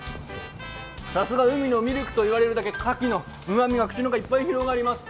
さすが海のミルクと言われるだけかきのうまみが口の中いっぱい広がります。